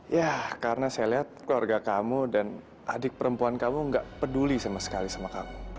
ya karena saya lihat keluarga kamu dan adik perempuan kamu gak peduli sama sekali sama kamu